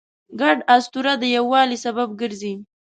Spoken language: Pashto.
ګډ اسطوره د یووالي سبب ګرځي.